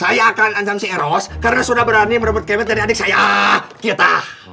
saya akan ancam si eros karena sudah berani merebut keber dari adik saya kita